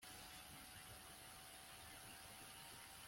Ndumva ko uri umunyeshuri hano